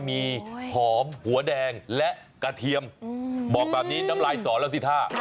มีหอมหัวแดงและกระเทียมบอกแบบนี้น้ำลายสอนแล้วสิท่า